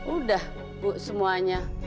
udah bu semuanya